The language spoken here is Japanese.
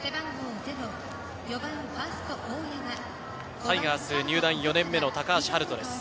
タイガース入団４年目の高橋遥人です。